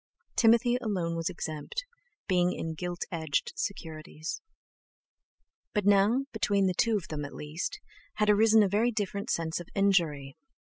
Timothy alone was exempt, being in gilt edged securities. But now, between two of them at least, had arisen a very different sense of injury.